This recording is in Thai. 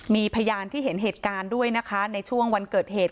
มีพยานที่เห็นเหตุการณ์ด้วยนะคะในช่วงวันเกิดเหตุ